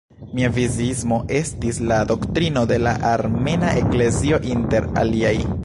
Miafiziismo estis la doktrino de la Armena Eklezio inter aliaj.